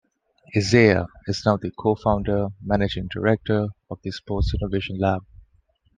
Isaiah is now the Co-Founder and Managing Director of the Sports Innovation Lab.